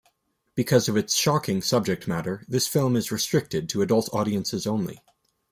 Because of its shocking subject matter, this film is restricted to adult audiences only.